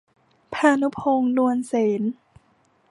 ภานุพงษ์ นวลเสน